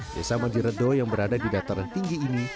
desa mandiredo yang berada di dataran tinggi ini